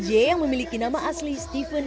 j yang memiliki nama asli stephen